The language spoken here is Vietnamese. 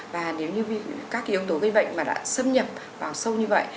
và nếu như các yếu tố gây bệnh mà đã xâm nhập vào sâu như vậy